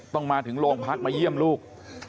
ต้องมาถึงโรงพักมาเยี่ยมลูก